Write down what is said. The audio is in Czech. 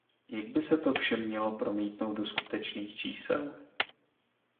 Jak by se to vše mělo promítnout do skutečných čísel?